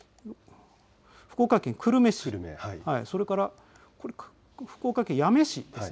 福岡県久留米市、それから福岡県八女市です。